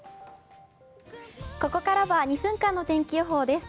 ここからは２分間の天気予報です。